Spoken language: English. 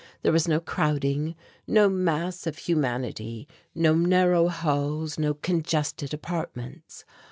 There was no crowding, no mass of humanity, no narrow halls, no congested apartments.